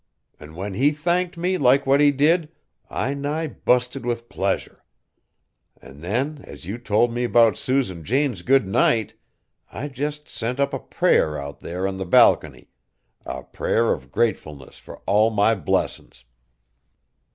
An' when he thanked me like what he did, I nigh busted with pleasure. An' then as you told me 'bout Susan Jane's good night, I jest sent up a prayer out there on the balcony, a prayer of gratefulness fur all my blessin's.